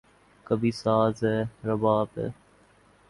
کبھی ساز ہے، رباب ہے